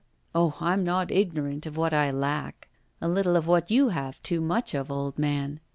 Oh! I'm not ignorant of what I lack a little of what you have too much of, old man.